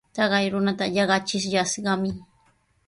Taqay runata yaqachiyashqami.